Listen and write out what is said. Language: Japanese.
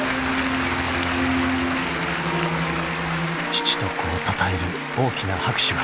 ［父と子をたたえる大きな拍手が］